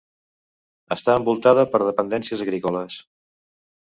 Està envoltada per dependències agrícoles.